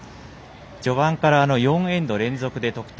序盤から４エンド連続で得点。